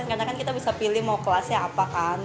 karena kan kita bisa pilih mau kelasnya apa kan